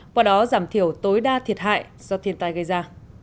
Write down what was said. qua đó giảm thiểu tối đa thiệt hại do thiên tai gây ra